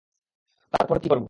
তারপরে কী করব?